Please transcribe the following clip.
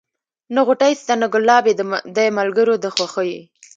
نه غوټۍ سته نه ګلاب یې دی ملګری د خوښیو